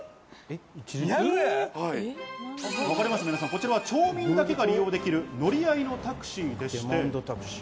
こちらは町民だけが利用できる乗り合いのタクシーでして。